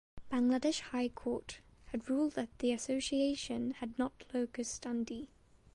Bangladesh High Court had ruled that the association had not locus standi.